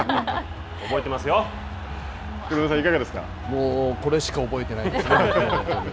もうこれしか覚えてないですね。